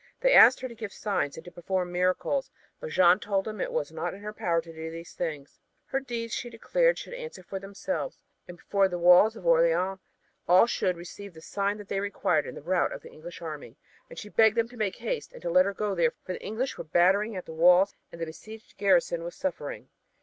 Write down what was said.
They asked her to give signs and to perform miracles but Jeanne told them that it was not in her power to do these things. Her deeds, she declared, should answer for themselves and before the walls of Orleans all should receive the sign that they required in the rout of the English army. And she begged them to make haste and let her go there, for the English were battering at the walls and the besieged garrison was suffering.